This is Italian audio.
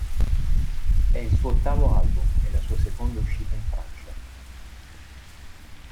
È il suo ottavo album e la sua seconda uscita in Francia.